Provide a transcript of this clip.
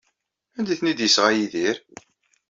Anda ay ten-id-yesɣa Yidir?